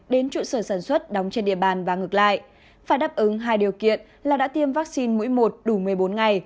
đến trụ sở sản xuất đóng trên địa bàn và ngược lại phải đáp ứng hai điều kiện là đã tiêm vaccine mũi một đủ một mươi bốn ngày